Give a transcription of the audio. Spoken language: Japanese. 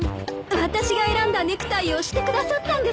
私が選んだネクタイをしてくださったんですね。